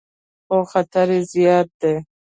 خو خطر یې زیات دی.